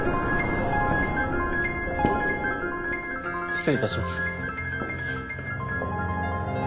失礼いたします。